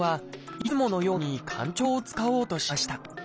いつものように浣腸を使おうとしました。